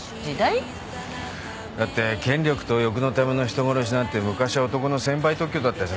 だって権力と欲のための人殺しなんて昔は男の専売特許だったじゃない。